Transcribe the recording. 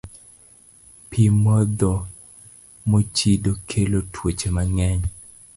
Pi modho mochido kelo tuoche mang'eny.